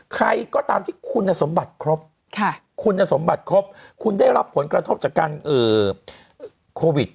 ใครก็ตามที่คุณสมบัติครบคุณสมบัติครบคุณได้รับผลกระทบจากการโควิด